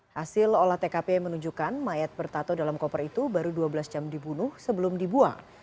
hasil olah tkp menunjukkan mayat bertato dalam koper itu baru dua belas jam dibunuh sebelum dibuang